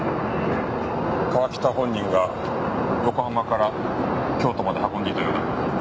川喜多本人が横浜から京都まで運んでいたようだ。